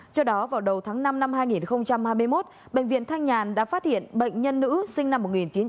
trước đó vào đầu tháng năm năm hai nghìn hai mươi một bệnh viện thanh nhàn đã phát hiện bệnh nhân nữ sinh năm một nghìn chín trăm tám mươi